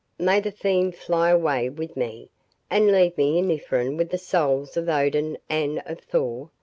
"May the fiend fly away with me, and leave me in Ifrin with the souls of Odin and of Thor!"